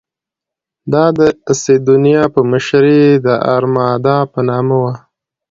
دا د سیدونیا په مشرۍ د ارمادا په نامه وه.